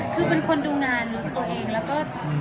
คือเป็นคนดูงานรู้สึกตัวเองแล้วก็